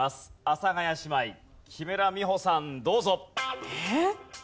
阿佐ヶ谷姉妹木村美穂さんどうぞ。えっ？